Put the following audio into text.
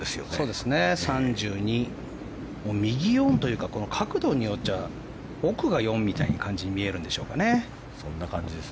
３２、右４というか角度によっちゃ奥が４みたいな感じに見えるんでしょうかね。